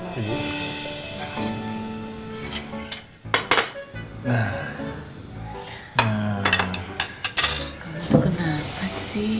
kamu tuh kenapa sih